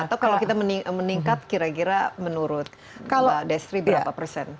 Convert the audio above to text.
atau kalau kita meningkat kira kira menurut mbak destri berapa persen